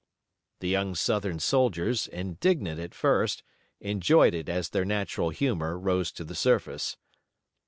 The young Southern soldiers, indignant at first, enjoyed it as their natural humor rose to the surface.